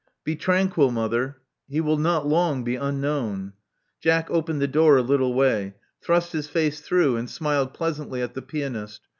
Be tranquil, mother. He will not long be unknown." Jack opened the door a little way; thrust his face through; and smiled pleasantly at the pianist.